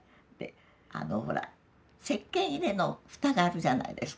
ほらせっけん入れの蓋があるじゃないですか。